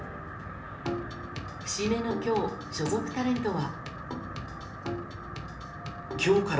節目の今日、所属タレントは。